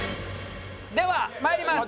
ではまいります。